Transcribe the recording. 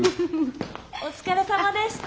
お疲れさまでした。